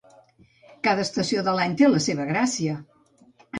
Cada estació de l'any té la seva gràcia